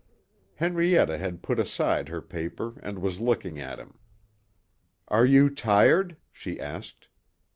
Henrietta had put aside her paper and was looking at him. "Are you tired?" she asked.